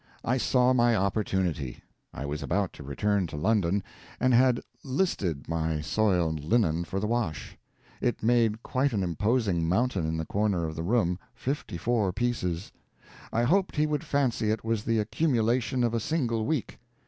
I saw my opportunity: I was about to return to London, and had "listed" my soiled linen for the wash. It made quite an imposing mountain in the corner of the room fifty four pieces. I hoped he would fancy it was the accumulation of a single week.